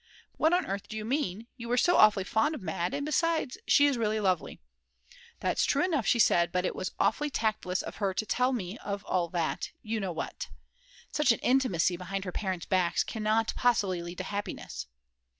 "What on earth do you mean, you were so awfully fond of Mad., and besides she is really lovely." That's true enough, she said; but it was awfully tactless of her to tell me of all that you know what. Such an intimacy behind her parents' backs cannot possibly lead to happiness.